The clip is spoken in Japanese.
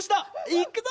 いくぞ！